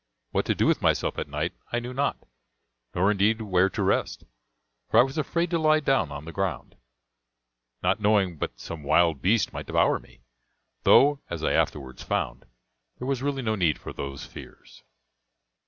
What to do with myself at night I knew not, nor indeed where to rest, for I was afraid to lie down on the ground, not knowing but some wild beast might devour me, though, as I afterwards found, there was really no need for those fears.